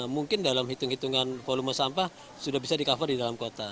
mungkin dalam hitung hitungan volume sampah sudah bisa di cover di dalam kota